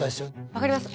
分かります